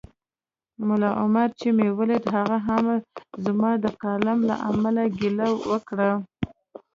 ملا عمر چي مې ولید هغه هم زما د کالم له امله ګیله وکړه